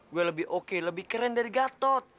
gue lebih oke lebih keren dari gatot